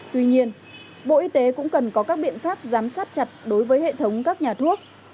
tuy nhiên bộ y tế cũng cần có các biện pháp giám sát chặt đối với hệ thống các nhà thuốc